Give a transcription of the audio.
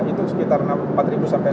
itu sekitar empat sampai enam bekerja